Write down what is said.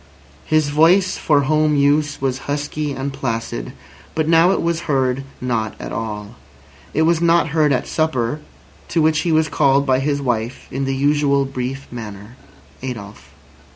His voice for home use was husky and placid, but now it was heard not at all. It was not heard at supper, to which he was called by his wife in the usual brief manner: "Adolf."